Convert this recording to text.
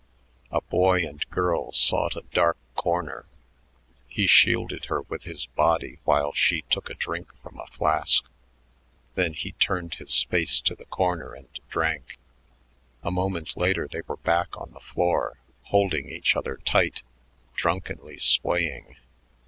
A boy and girl sought a dark corner. He shielded her with his body while she took a drink from a flask. Then he turned his face to the corner and drank. A moment later they were back on the floor, holding each other tight, drunkenly swaying...